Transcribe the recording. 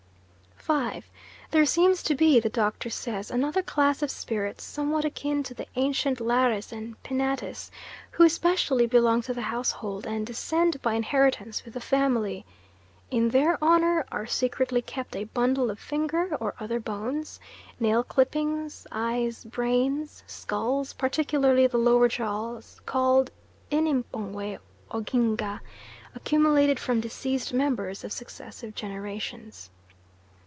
5. There seems to be, the Doctor says, another class of spirits somewhat akin to the ancient Lares and Penates, who especially belong to the household, and descend by inheritance with the family. In their honour are secretly kept a bundle of finger, or other bones, nail clippings, eyes, brains, skulls, particularly the lower jaws, called in M'pongwe oginga, accumulated from deceased members of successive generations.